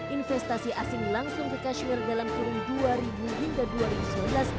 investasi asing langsung ke kashmir dalam kurun dua ribu hingga dua ribu sebelas